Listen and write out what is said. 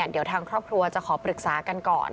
เดี๋ยวทางครอบครัวจะขอปรึกษากันก่อน